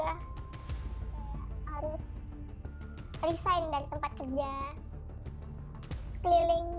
harus resign dari tempat kerja keliling